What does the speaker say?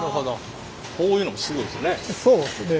こういうのもすごいですよね。